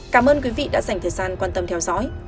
cảm ơn quý vị đã dành thời gian quan tâm theo dõi